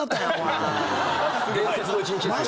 伝説の一日ですね。